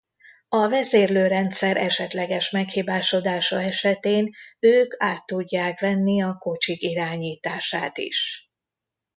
A vezérlőrendszer esetleges meghibásodása esetén ők át tudják venni a kocsik irányítását is.